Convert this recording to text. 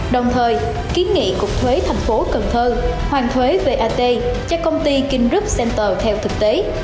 đồng thời kiến nghị cục thuế tp cần thơ hoàn thuế vat cho công ty king group center theo thực tế